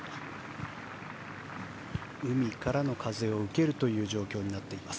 海からの風を受けるという状況になっています。